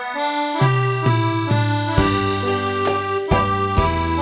ขอขอบคุณนะครับ